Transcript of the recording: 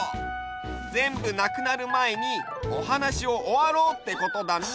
ぜんぶなくなるまえにおはなしをおわろうってことだね！